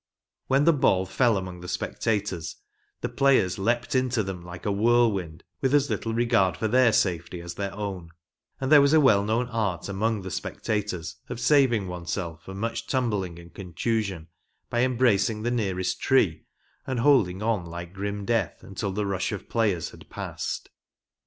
When the ball fell among the spectators, the players leaped into them like a whirlwind, with as little regard for their safety as their own, and there was a well known art among the spectators of saving oneself from much tumbling and contusion by embracing the nearest tree and holding on like grim death until the rush of players had passed.